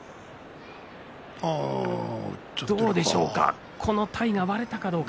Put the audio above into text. どうでしょうか。